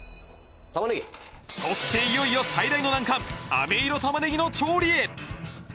そしていよいよ最大の難関飴色玉ねぎの調理へ